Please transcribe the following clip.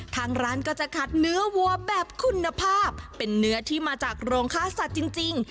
ทางร้านก็จะคัดเนื้อวัวแบบคุณภาพเป็นเนื้อที่มาจากโรงฆ่าสัตว์จริง